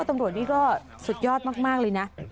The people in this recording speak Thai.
ตำรวจนี่ก็สุดยอดมากเลยนะ